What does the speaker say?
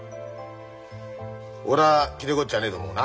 俺はきれい事じゃねえと思うな。